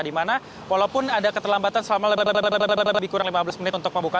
dimana walaupun ada keterlambatan selama lebih kurang lima belas menit untuk membuka